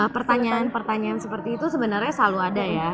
pertanyaan pertanyaan seperti itu sebenarnya selalu ada ya